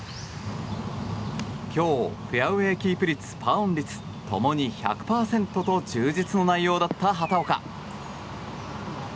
今日、フェアウェーキープ率パーオン率共に１００％と充実の内容だった畑岡。